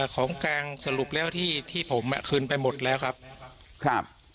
ของกลางสรุปแล้วที่ผมคืนไปหมดแล้วครับ